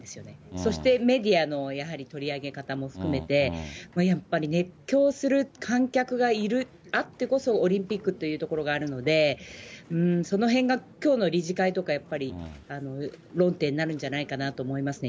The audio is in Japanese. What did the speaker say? そしてメディアのやはり取り上げ方も含めて、やっぱり熱狂する観客がいる、あってこそオリンピックというところがあるので、そのへんがきょうの理事会とかやっぱり、論点になるんじゃないかなと思いますね。